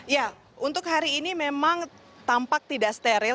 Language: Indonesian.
ya untuk hari ini memang tampak tidak steril